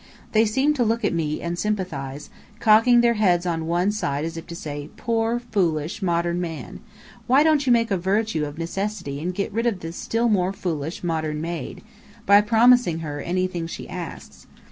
They seemed to look at me, and sympathize, cocking their heads on one side as if to say, "Poor, foolish, modern man, why don't you make a virtue of necessity and get rid of this still more foolish modern maid, by promising her anything she asks?